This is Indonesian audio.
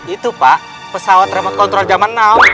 itu pak pesawat remat kontrol zaman now